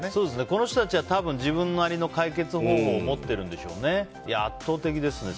この人たちは多分、自分なりの解決方法を持っているんでしょうね。